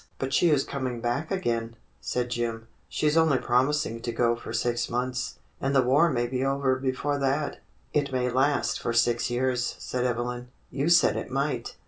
"But she is coming back again," said Jim. "She's only promising to go for six months. And the war may be over before that." THE LETTER FROM FRANCE 133 "It may last for six years," said Evelyn. "You said it might."